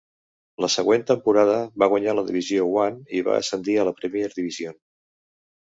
La següent temporada van guanyar la Division One i van ascendir a la Premier Division.